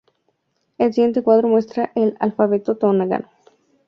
El siguiente cuadro muestra el alfabeto tongano.